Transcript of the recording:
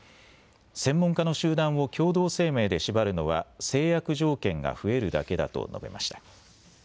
専門家の集団を共同声明で縛るのは制約条件が増えるだけだと述べました。